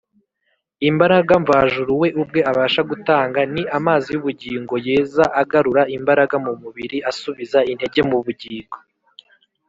Imbaraga mvajuru we ubwe abasha gutanga, ni amazi y’ubugingo, yeza, agarura imbaraga mu mubiri, asubiza intege mu bugingo.